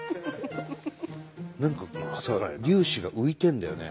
何かこのさ粒子が浮いてるんだよね。